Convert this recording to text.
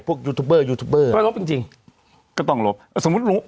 พวกยูทูปเบอร์ยูทูปเบอร์ก็ลบจริงจริงก็ต้องลบสมมุติลูก